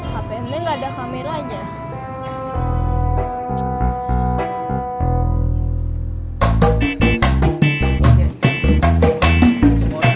handphone neng gak ada kamera aja